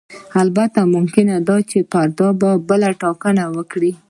البته ممکنه ده فرد بله ټاکنه وکړي.